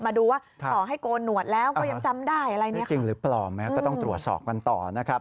ไม่จริงหรือปลอมก็ต้องตรวจสอบมันต่อนะครับ